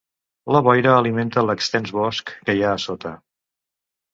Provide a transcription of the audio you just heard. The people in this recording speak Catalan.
La boira alimenta l'extens bosc que hi ha a sota.